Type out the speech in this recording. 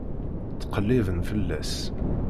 Ttqelliben fell-as.